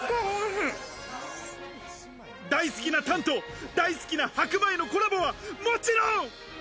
大好きなタンと大好きな白米のコラボは、もちろん。